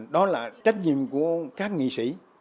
đó là trách nhiệm của các nghị sĩ